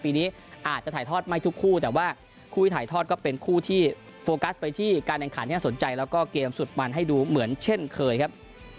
ปีนี้อาจจะถ่ายทอดไม่ทุกคู่แต่ว่าคู่ที่ถ่ายทอดก็เป็นคู่ที่โฟกัสไปที่การแข่งขันที่น่าสนใจแล้วก็เกมสุดมันให้ดูเหมือนเช่นเคยครับ